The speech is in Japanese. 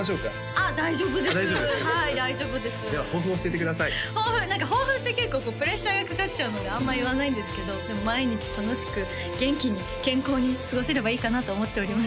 あっ大丈夫ですはい大丈夫ですでは抱負を教えてください抱負何か抱負って結構プレッシャーがかかっちゃうのであんま言わないんですけどでも毎日楽しく元気に健康に過ごせればいいかなと思っております